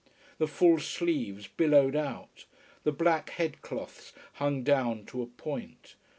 The full sleeves billowed out, the black head cloths hung down to a point.